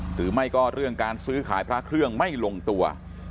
หรือไม่ก็เรื่องการซื้อขายพระเครื่องไม่ลงตัว